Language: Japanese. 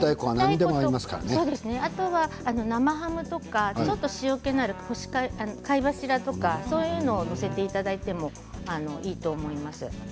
あとは生ハムとかちょっと塩けがある貝柱とか載せていただいてもいいと思います。